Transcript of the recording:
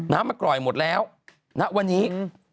น้ำมากร่อยหมดแล้วน่ะวันนี้